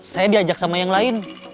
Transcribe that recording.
saya diajak sama yang lain